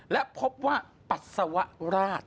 และพบว่าปัสสวรรค์